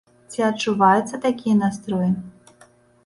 Ці адчуваюцца такія настроі?